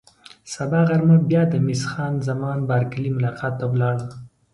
سبا غرمه بیا د مس خان زمان بارکلي ملاقات ته ولاړم.